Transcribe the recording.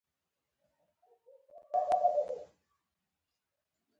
زه د یوټیوب زده کړې ویډیوګانې ګورم.